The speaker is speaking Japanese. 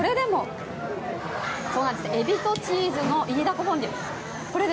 エビとチーズのイイダコフォンデュ。